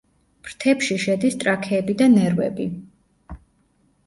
ფრთებში შედის ტრაქეები და ნერვები.